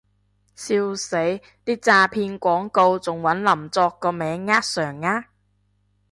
笑死，啲詐騙廣告仲搵林作個名呃上呃